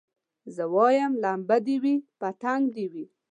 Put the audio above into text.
زه وايم لمبه دي وي پتنګ دي وي